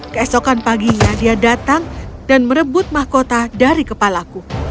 keesokan paginya dia datang dan merebut mahkota dari kepalaku